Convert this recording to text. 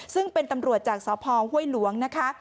ซึ่งเป็นตำรวจจากสพห้วยหลวงนะคะ